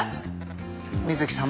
水木さん